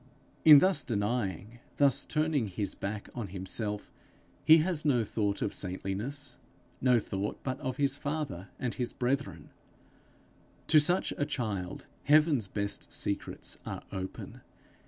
In thus denying, thus turning his back on himself, he has no thought of saintliness, no thought but of his father and his brethren. To such a child heaven's best secrets are open.